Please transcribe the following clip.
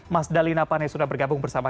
mas dali napane sudah bergabung bersama